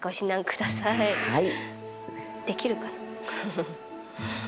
できるかな？